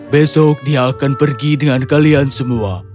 besok dia akan pergi dengan kalian semua